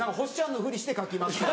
のふりして書きますけど。